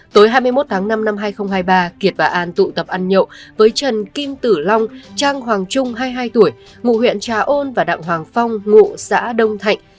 tối hai mươi một tháng năm năm hai nghìn hai mươi ba kiệt và an tụ tập ăn nhậu với trần kim tử long trang hoàng trung hai mươi hai tuổi ngụ huyện trà ôn và đặng hoàng phong ngụ xã đông thạnh